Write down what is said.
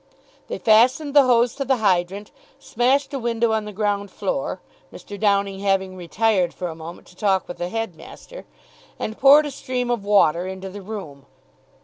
They fastened the hose to the hydrant, smashed a window on the ground floor (Mr. Downing having retired for a moment to talk with the headmaster), and poured a stream of water into the room.